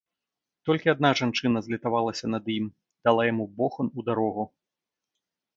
Толькі адна жанчына злітавалася над ім, дала яму бохан у дарогу.